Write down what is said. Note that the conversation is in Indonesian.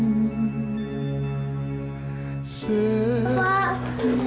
aku sebut namamu